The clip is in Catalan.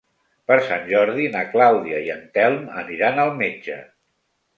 Per Sant Jordi na Clàudia i en Telm aniran al metge.